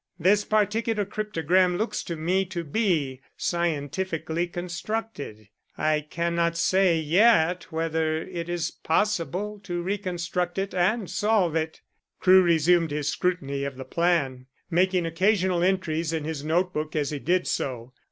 This particular cryptogram looks to me to be scientifically constructed; I cannot say yet whether it is possible to reconstruct it and solve it." Crewe resumed his scrutiny of the plan, making occasional entries in his notebook as he did so.